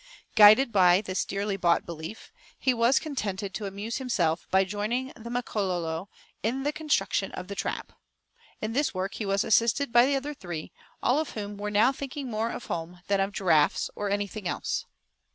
Guided by this dearly bought belief he was contented to amuse himself by joining the Makololo in the construction of the trap. In this work he was assisted by the other three, all of whom were now thinking more of home than of giraffes, or anything else.